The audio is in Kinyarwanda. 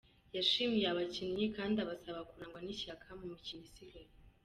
Yashimye abakinnyi, kandi abasaba kurangwa n’ishyaka mu mikino isigaye.